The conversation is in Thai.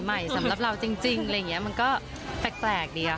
ใหม่สำหรับเราจริงมันก็แปลกดีอะ